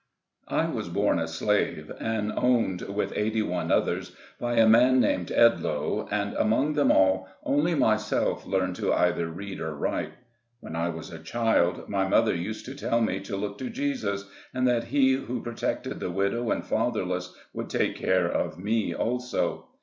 WAS born a slave, and owned, with eighty one others, by a man named Edloe, and among them all, only myself learned to either read or write. When I was a child, my mother used to tell me to look to Jesus, and that He who protected the widow and fatherless would take care of me also.